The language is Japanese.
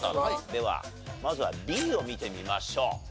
ではまずはＢを見てみましょう。